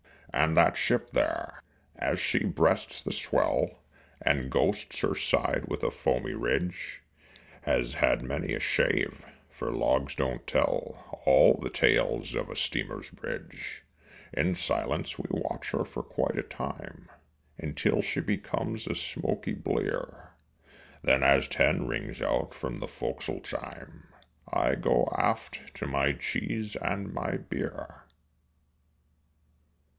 And that ship there, as she breasts the swell And ghosts her side with a foamy ridge, Has had many a shave for logs don't tell All the tales of a steamer's bridge. In silence we watch her for quite a time Until she becomes a smoky blear, Then as ten rings out from the fo'c'sle chime I go aft to my cheese and my beer.